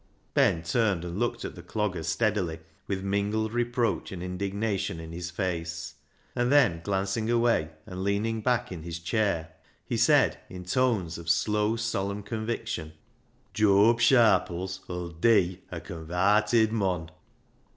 Ben turned and looked at the Clogger steadily with mingled reproach and indignation in his face, and then glancing away and leaning back in his chair, he said, in tones of slow, solemn conviction —" Jooab Sharpies 'ull dee a convarted mon."